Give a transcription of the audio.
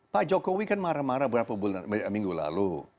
pak jokowi kan marah marah beberapa minggu lalu